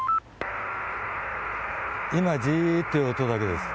今、じーという音だけです。